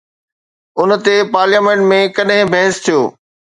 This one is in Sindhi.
ان تي پارليامينٽ ۾ ڪڏهن بحث ٿيو؟